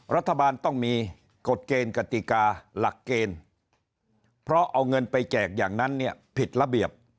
รัฐบาลต้องมีกฎเกณฑ์กติกาหลักเกณฑ์เพราะเอาเงินไปแจกอย่างนั้นเนี่ยผิดระเบียบ